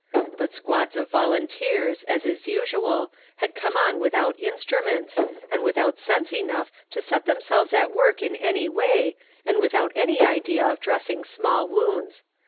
But squads of volunteers, as is usual, had come on without instruments, and without sense enough to set themselves at work in any way, and without any idea of dressing small wounds.